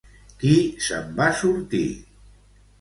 Qui se'n va sortir?